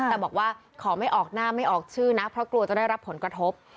แต่บอกว่าขอไม่ออกหน้าไม่ออกชื่อนะเพราะกลัวจะได้รับผลกระทบ